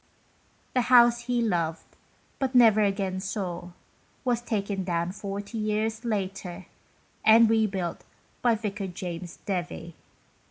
The house he loved, but never again saw, was taken down 40 years later, and re built by Vicar James Devie.